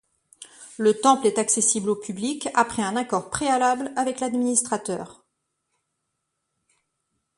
Le temple est accessible au public après un accord préalable avec l'administrateur.